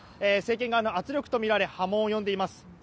政権側の圧力とみられ波紋を呼んでいます。